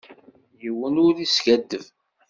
Yiwen ur iskadeb.